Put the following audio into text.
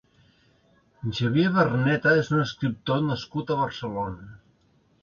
Xavier Vernetta és un escriptor nascut a Barcelona.